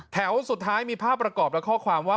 สุดท้ายมีภาพประกอบและข้อความว่า